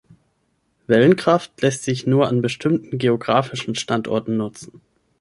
Wellenkraft lässt sich nur an bestimmten geografischen Standorten nutzen.